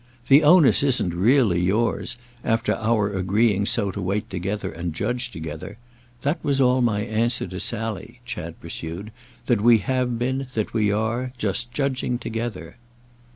"The onus isn't really yours—after our agreeing so to wait together and judge together. That was all my answer to Sally," Chad pursued—"that we have been, that we are, just judging together."